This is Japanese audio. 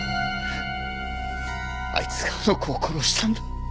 あいつがあの子を殺したんだ。